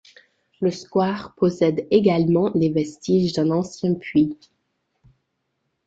Le square possède également les vestiges d'un ancien puits.